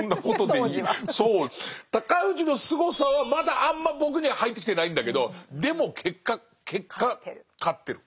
尊氏のすごさはまだあんま僕には入ってきてないんだけどでも結果結果勝ってる。